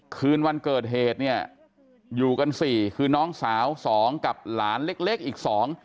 คืนวันเกิดเหตุเนี่ยอยู่กัน๔คือน้องสาว๒กับหลานเล็กอีก๒